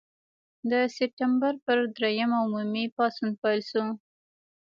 د سپټمبر پر دریمه عمومي پاڅون پیل شو.